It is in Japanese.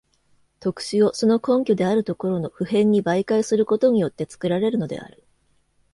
特殊をその根拠であるところの普遍に媒介することによって作られるのである。